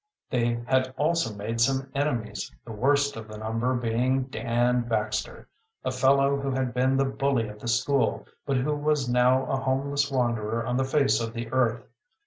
They had also made some enemies, the worst of the number being Dan Baxter, a fellow who had been the bully of the school, but who was now a homeless wanderer on the face of the earth.